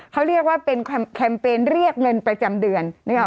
เขาเรียกว่าเป็นแคมเปญเรียกเงินประจำเดือนนึกออก